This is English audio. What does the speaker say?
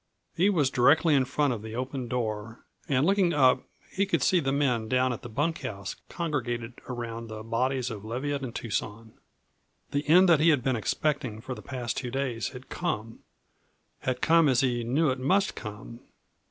He was directly in front of the open door and looking up he could see the men down at the bunkhouse congregated around the bodies of Leviatt and Tucson. The end that he had been expecting for the past two days had come had come as he knew it must come.